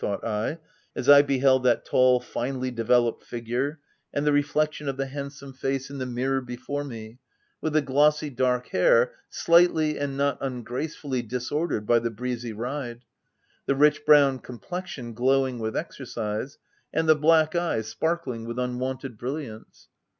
thought I, as I beheld that tall, finely developed figure, and the reflection of the handsome face OF WILDFELL HALL. 61 in the mirror before me, with the glossy dark hair, slightly and not ungracefully disordered by the breezy ride, the rich brown complexion glowing with exercise, and the black eyes sparkling with unwonted brilliance.